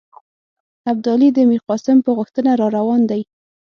ابدالي د میرقاسم په غوښتنه را روان دی.